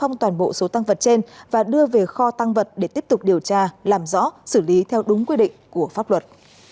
phong toàn bộ số tăng vật trên và đưa về kho tăng vật để tiếp tục điều tra làm rõ xử lý theo đúng quy định của pháp luật